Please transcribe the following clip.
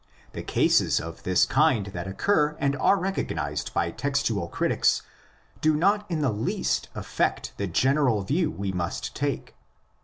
The cases of this kind that occur and are recognised by textual critics do not in the least affect the general view we must take.